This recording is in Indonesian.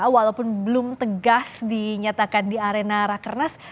walaupun belum tegas dinyatakan di arena rakernas